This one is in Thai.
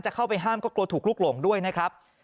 เข้าไปห้ามก็กลัวถูกลุกหลงด้วยนะครับ